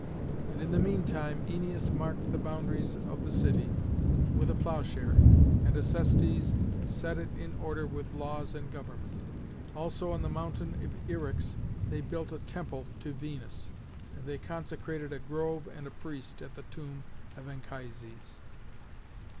And in the mean time Æneas marked the boundaries of the city with a ploughshare, and Acestes set it in order with laws and government. Also on the mountain of Eryx they built a temple to Venus, and they consecrated a grove and a priest at the tomb of Anchises.